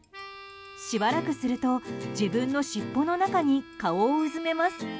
しばらくすると自分のしっぽの中に顔をうずめます。